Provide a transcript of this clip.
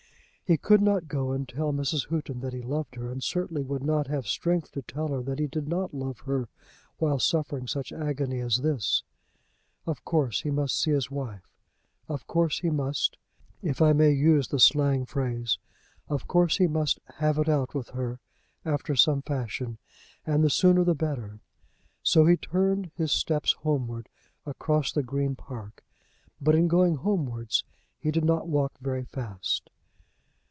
He could not go and tell Mrs. Houghton that he loved her, and certainly would not have strength to tell her that he did not love her while suffering such agony as this. Of course he must see his wife. Of course he must, if I may use the slang phrase, of course he must "have it out with her," after some fashion, and the sooner the better. So he turned his stops homewards across the Green Park. But, in going homewards, he did not walk very fast.